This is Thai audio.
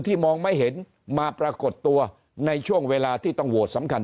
มองไม่เห็นมาปรากฏตัวในช่วงเวลาที่ต้องโหวตสำคัญ